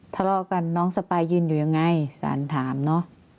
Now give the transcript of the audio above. ทะเลาะกันน้องสปายยืนอยู่ยังไงสารถามเนอะ